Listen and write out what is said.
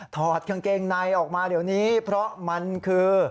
ถอดกางเกงในออกมาเดี๋ยวนี้เพราะมันคือ